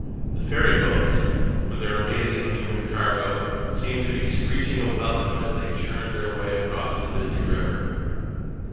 The ferry boats, with their amazing human cargo, seemed to be screeching a welcome as they churned their way across the busy river.